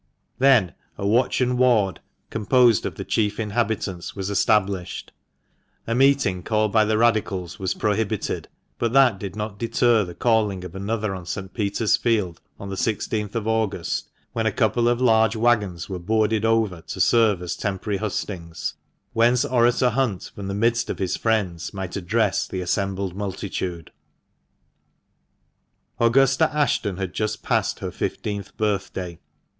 Then a Watch and Ward, composed of the chief inhabitants, was established ; a meeting called by the Radicals was prohibited; but that did not deter the calling of another on St. Peter's Field, on the i6th of August, when a couple of large waggons were boarded over to serve as temporary hustings, whence Orator Hunt from the midst of his friends might address the assembled multitude. 176 THE MANCHESTER MAN. Augusta Ashton had just passed her fifteenth birthday.